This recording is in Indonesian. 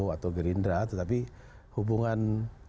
atau gerindra tetapi hubungan